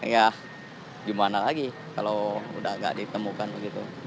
ya gimana lagi kalau udah nggak ditemukan begitu